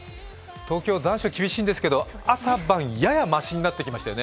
東京、残暑厳しいんですけど、朝・晩、ちょっとましになってきましたよね。